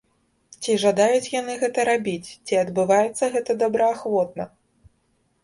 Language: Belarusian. Ці жадаюць яны гэта рабіць, ці адбываецца гэта добраахвотна?